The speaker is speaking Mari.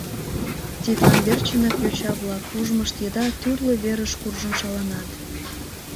Тидлан верчынак йоча-влак ужмышт еда тӱрлӧ верыш куржын шаланат.